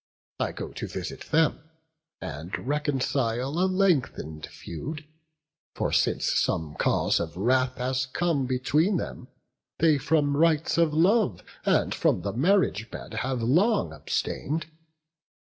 I go to visit them, and reconcile A lengthen'd feud; for since some cause of wrath Has come between them, they from rites of love And from the marriage bed have long abstain'd.